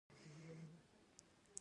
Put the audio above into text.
زه له سختیو څخه بېره نه لرم.